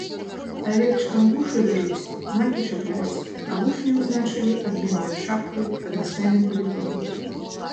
Авечкам вушы рэжуць, знакі чапляюць, а вучняў значылі адменнаю шапкаю, аднастайным палітонам.